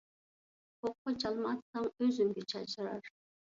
پوققا چالما ئاتساڭ، ئۆزۈڭگە چاچرار.